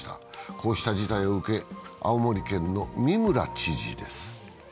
こうした事態を受け、青森県の三村知事です。